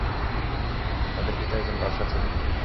তাঁদের পিতা একজন বাদশাহ ছিলেন।